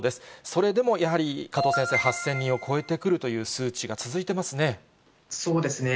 それでもやはり、加藤先生、８０００人を超えてくるという数値が続いてますね。